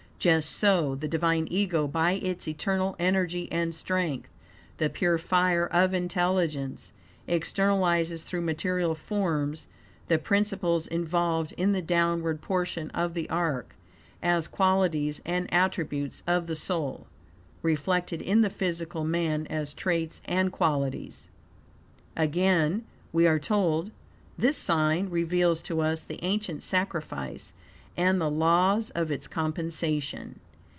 Just so, the Divine Ego, by its eternal energy and strength, the pure fire of intelligence, externalizes through material forms the principles involved in the downward portion of the arc, as qualities and attributes of the soul (reflected in the physical man as traits and qualities). Again we are told, "this sign reveals to us the ancient sacrifice and the laws of its compensation."